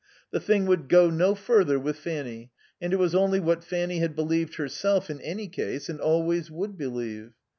The thing would go no further with Fanny, and it was only what Fanny had believed herself in any case and always would believe.